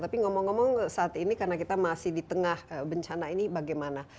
tapi ngomong ngomong saat ini karena kita masih di tengah bencana ini bagaimana